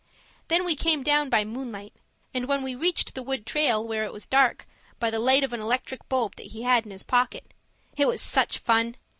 Then we came down by moonlight, and, when we reached the wood trail where it was dark, by the light of an electric bulb that he had in his pocket. It was such fun!